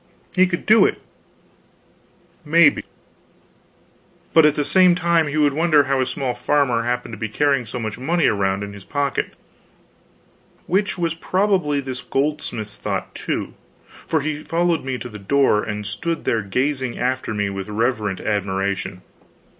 He could do it, maybe; but at the same time he would wonder how a small farmer happened to be carrying so much money around in his pocket; which was probably this goldsmith's thought, too; for he followed me to the door and stood there gazing after me with reverent admiration.